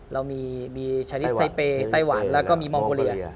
เรามีชาลิสไซเปย์ไต้หวันแล้วก็มีมองโกเลีย